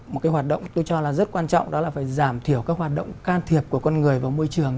một cái hoạt động tôi cho là rất quan trọng đó là phải giảm thiểu các hoạt động can thiệp của con người vào môi trường